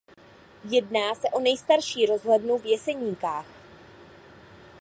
Jedná se o nejstarší rozhlednu v Jeseníkách.